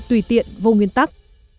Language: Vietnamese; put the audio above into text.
tùy tiện vô nguyên tắc